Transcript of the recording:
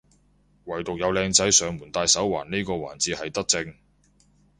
惟獨有靚仔上門戴手環呢個環節係德政